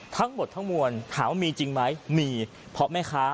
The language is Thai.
ทั้งหมดทั้งมวลถามว่ามีจริงไหมมีเพราะแม่ค้า